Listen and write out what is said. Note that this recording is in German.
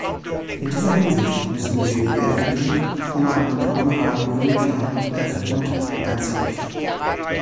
In dieser Hinsicht müssen wir Wege ermitteln, um einen Copenhagen Green Climate F- und einzurichten.